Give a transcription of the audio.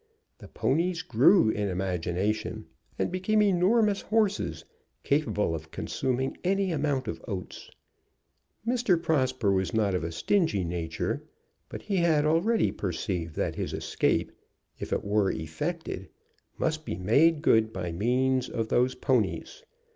The ponies grew in imagination, and became enormous horses capable of consuming any amount of oats. Mr. Prosper was not of a stingy nature, but he had already perceived that his escape, if it were effected, must be made good by means of those ponies.